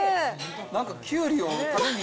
なんかきゅうりを縦に。